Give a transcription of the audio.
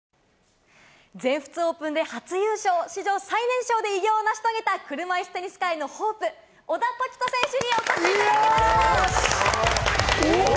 全仏オープンで初優勝、史上最年少で偉業を成し遂げた、車いすテニス界のホープ・小田凱カッコいいな！